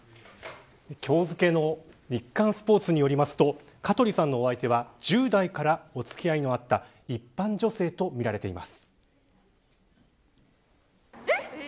今日付の日刊スポーツによりますと香取さんのお相手は１０代からお付き合いのあった一般女性とみられています。